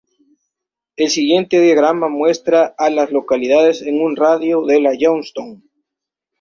El siguiente diagrama muestra a las localidades en un radio de de Johnstown.